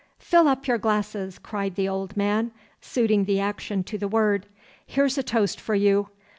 'Fill up your glasses!' cried the old man, suiting the action to the word. 'Here's a toast for you!